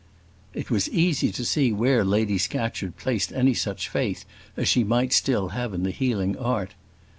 It was easy to see where Lady Scatcherd placed any such faith as she might still have in the healing art.